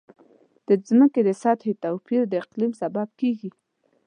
د ځمکې د سطحې توپیر د اقلیم سبب کېږي.